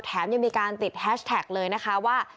แถมยังมีการติดแฮชแท็กเลยนะคะว่า